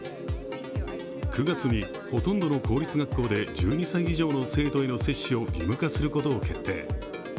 ９月にほとんどの公立学校で１２歳以上の生徒への接種を義務化することを決定。